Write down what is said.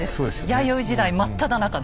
弥生時代真っただ中です。